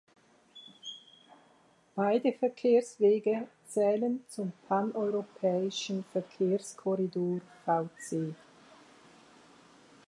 Beide Verkehrswege zählen zum Paneuropäischen Verkehrskorridor Vc.